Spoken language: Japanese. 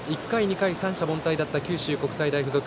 １回、２回、三者凡退だった九州国際大付属。